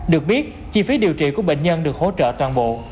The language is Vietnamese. được biết chi phí điều trị của bệnh nhân được hỗ trợ toàn bộ